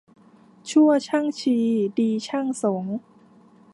ชั่วช่างชี ดีช่างสงฆ์